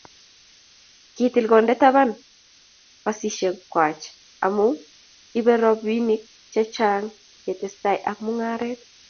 kitil konde taban basisiekwach amu ibei robinik che chang' ketestai ak mung'aret.